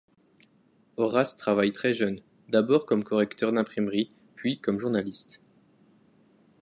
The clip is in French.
Horace travaille très jeune, d'abord comme correcteur d'imprimerie puis comme journaliste.